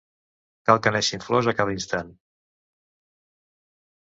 Cal que neixin flors a cada instant